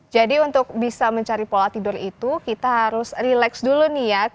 jadi untuk bisa mencari pola tidur itu kita harus relax dulu nih ya